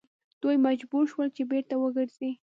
دوی مجبور شول چې بیرته وګرځي.